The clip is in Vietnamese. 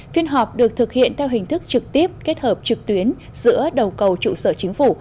phiên họp được thực hiện theo hình thức trực tiếp kết hợp trực tuyến giữa đầu cầu trụ sở chính phủ